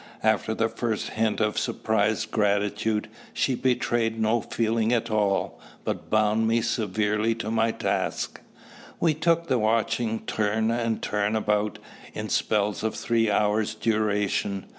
After the first hint of surprised gratitude, she betrayed no feeling at all, but bound me severely to my task. We took the watching turn and turn about, in spells of three hours' duration.